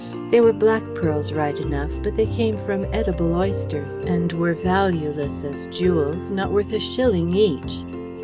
They were black pearls right enough, but they came from edible oysters, and were valueless as jewels not worth a shilling each.